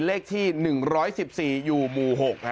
เลขที่๑๑๔อยู่หมู่๖